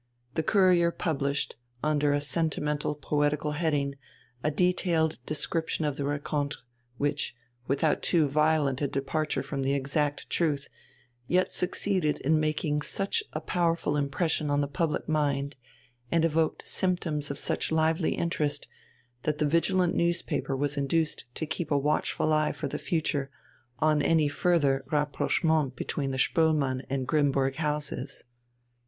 The Courier published, under a sentimental poetical heading, a detailed description of the rencontre, which, without too violent a departure from the exact truth, yet succeeded in making such a powerful impression on the public mind, and evoked symptoms of such lively interest, that the vigilant newspaper was induced to keep a watchful eye for the future on any further rapprochements between the Spoelmann and Grimmburg houses.